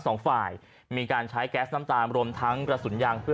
สองฝ่ายมีการใช้แก๊สน้ำตาลรวมทั้งกระสุนยางเพื่อ